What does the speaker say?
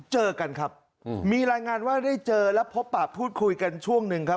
เจอกันครับมีรายงานว่าได้เจอและพบปากพูดคุยกันช่วงหนึ่งครับ